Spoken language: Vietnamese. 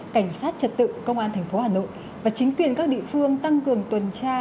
cảnh sát trật tự công an tp hà nội và chính quyền các địa phương tăng cường tuần tra